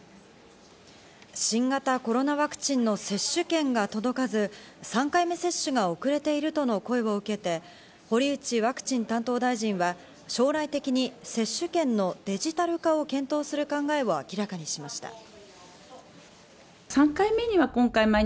新型コロナワクチンの接種券が届かず３回目接種が遅れているとの声を受けて、堀内ワクチン担当大臣は将来的に接種券のデジタル化を検討する考えを明らかにしました。